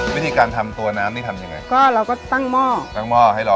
วิธีการทำตัวน้ำนี่ทำยังไงก็เราก็ตั้งหม้อตั้งหม้อให้รอ